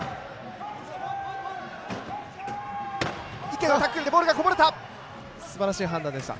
池のタックルでボールがこぼれた。